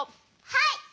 はい！